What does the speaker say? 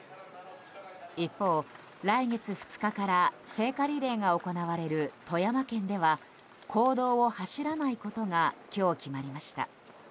一方、来月２日から聖火リレーが行われる富山県では公道を走らないことが今日、決まりました。